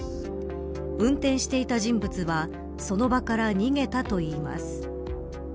運転していた人物はその場から逃げたといいます。